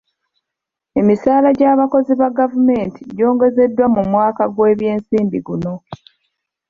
Emisaala gy'abakozi ba gavumenti gyongezeddwa mu mwaka gw'ebyensimbi guno.